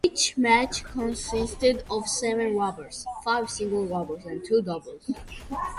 Each match consisted of seven 'rubbers': five singles rubbers and two doubles.